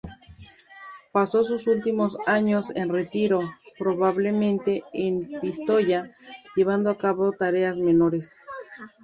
Pasó sus últimos años en retiro, probablemente en Pistoya, llevando a cabo tareas menores.